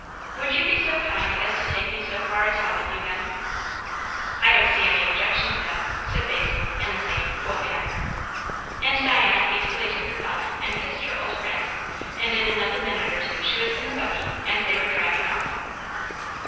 "Would you be so kind as to take me so far as home with you, then?" "I don't see any objection to that," said Basil in the same cool manner. And Diana hastily took her bonnet and kissed her old friend, and in another minute or two she was in the buggy, and they were driving off.